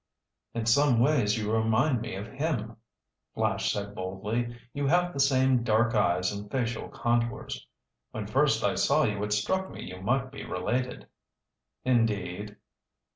"In some ways you remind me of him," Flash said boldly. "You have the same dark eyes and facial contours. When first I saw you it struck me you might be related." "Indeed?